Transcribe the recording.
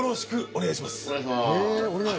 お願いします。